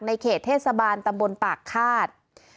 เขตเทศบาลตำบลปากฆาต